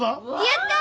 やった！